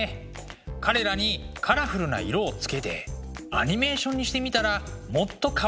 彼らにカラフルな色をつけてアニメーションにしてみたらもっとかわいくなったりして。